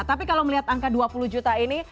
tapi kalau melihat angka dua puluh juta ini